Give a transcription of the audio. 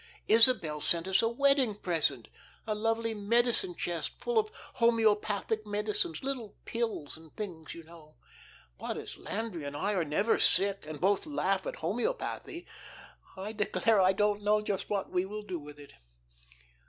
Isabel sent us a wedding present a lovely medicine chest full of homoeopathic medicines, little pills and things, you know. But, as Landry and I are never sick and both laugh at homoeopathy, I declare I don't know just what we will do with it.